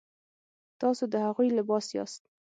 تاسو د هغوی لباس یاست.